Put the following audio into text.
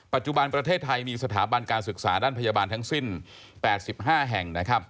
ปัจจุบันประเทศไทยมีสถาบันการศึกษาด้านพยาบาลทั้งสิ้น๘๕แห่งนะครับ